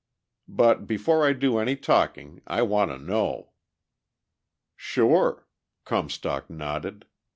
But before I do any talking I want to know." "Sure," Comstock nodded.